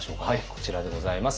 こちらでございます。